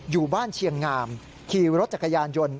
อยู่บ้านเชียงงามขี่รถจักรยานยนต์